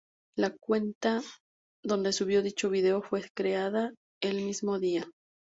La cuenta donde subió dicho vídeo fue creada el mismo día.